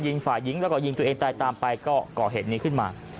ฝ่ายหญิงแล้วก็ยิงตัวเองตายตามไปก็ก่อเหตุนี้ขึ้นมา